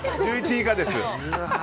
１１位以下です。